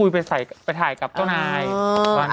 พอที่คุยไปถ่ายกับเจ้านาย